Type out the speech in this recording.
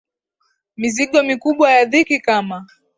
Mizigo mikubwa ya dhiki kama